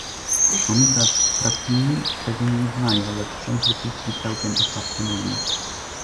Komisarz Frattini tego nie uznaje, lecz rząd brytyjski całkiem otwarcie mówi